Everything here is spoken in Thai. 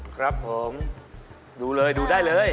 ครับผมดูเลยดูได้เลย